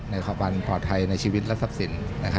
ในความปลอดภัยในชีวิตและทรัพย์สิน